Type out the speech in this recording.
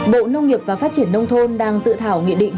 bộ nông nghiệp và phát triển nông thôn đang dự thảo nghị định